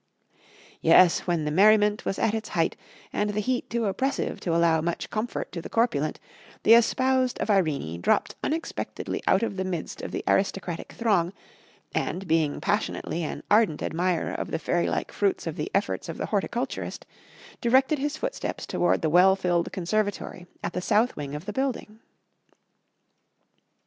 Yes, when the merriment was at its height, and the heat too oppressive to allow much comfort to the corpulent, the espoused of Irene dropped unexpectedly out of the midst of the aristocratic throng, and being passionately an ardent admirer of the fairy like fruits of the efforts of the horticulturist, directed his footsteps towards the well filled conservatory at the south wing of the building.